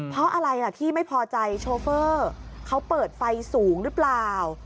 เพราะอะไรล่ะที่ไม่พอใจโชเฟอร์เขาเปิดไฟสูงหรือเปล่า